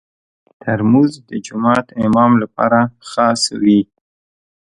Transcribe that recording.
ترموز د جومات امام لپاره خاص وي.